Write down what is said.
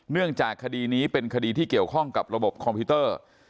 เนื่องจากคดีนี้เป็นคดีที่เกี่ยวข้องกับระบบคอมพิวเตอร์